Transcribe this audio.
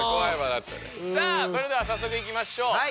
さあそれではさっそくいきましょう。